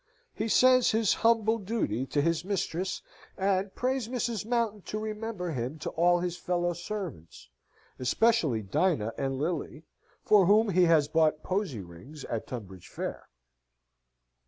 He sends his humble duty to his mistress, and prays Mrs. Mountain to remember him to all his fellow servants, especially Dinah and Lily, for whom he has bought posey rings at Tunbridge Fair.